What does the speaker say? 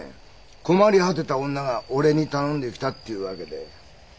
困り果てた女が俺に頼んできたっていうわけで。